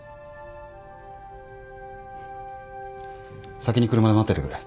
先に車で待っててくれ。